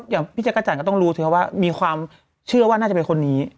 อย่างพี่จักรจันทร์ก็ต้องรู้สิครับว่ามีความเชื่อว่าน่าจะเป็นคนนี้